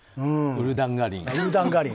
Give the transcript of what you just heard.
ウルダンガリン。